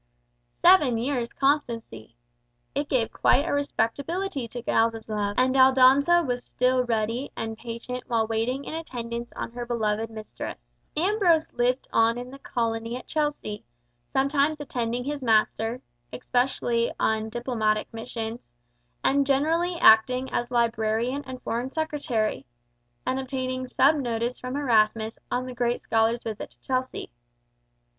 Seven years' constancy! It gave quite a respectability to Giles's love, and Aldonza was still ready and patient while waiting in attendance on her beloved mistress. Ambrose lived on in the colony at Chelsea, sometimes attending his master, especially on diplomatic missions, and generally acting as librarian and foreign secretary, and obtaining some notice from Erasmus on the great scholar's visit to Chelsea.